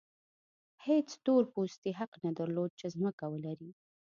هېڅ تور پوستي حق نه درلود چې ځمکه ولري.